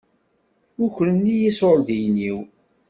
Ukren-iyi iṣuṛdiyen-iw.